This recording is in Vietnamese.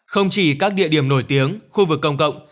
không chỉ các địa điểm nổi tiếng khu vực công cộng